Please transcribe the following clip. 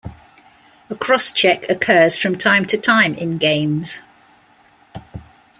A cross-check occurs from time to time in games.